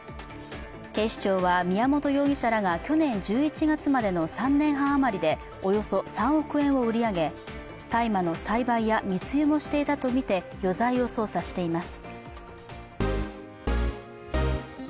警視庁は宮本容疑者らが去年１１月までの３年半余りでおよそ３億円を売り上げ、大麻の栽培や密輸もしていたとみて余罪を捜査しています。